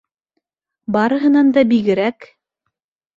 Барыһынан да бигерәк...